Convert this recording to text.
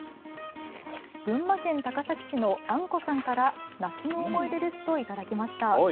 群馬県高崎市のあんこさんから夏の思い出ですと頂きました。